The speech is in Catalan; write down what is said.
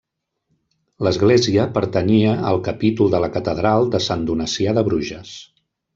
L'església pertanyia al capítol de la Catedral de Sant Donacià de Bruges.